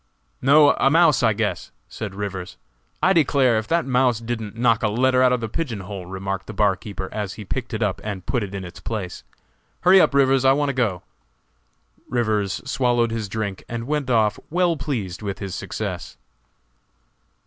"No, a mouse, I guess!" said Rivers. "I declare, if that mouse didn't knock a letter out of the pigeon hole!" remarked the barkeeper as he picked it up and put it in its place. "Hurry up, Rivers, I want to go!" Rivers swallowed his drink and went off well pleased with his success.